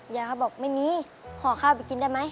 ยายเขาบอกไม่มีห่อข้าวไปกินได้ไหม